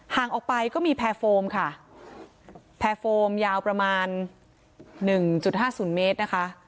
ห่างออกไปก็มีแพรโฟมค่ะแพรโฟมยาวประมาณหนึ่งจุดห้าศูนย์เมตรนะคะ